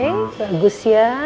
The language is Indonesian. eh bagus ya